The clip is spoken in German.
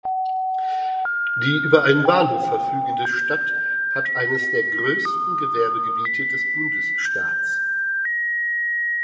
Die über einen Bahnhof verfügende Stadt hat eines der größten Gewerbegebiete des Bundesstaats.